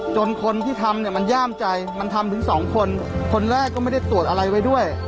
คนที่ทำเนี่ยมันย่ามใจมันทำถึงสองคนคนแรกก็ไม่ได้ตรวจอะไรไว้ด้วย